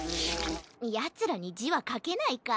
ヤツらにじはかけないか。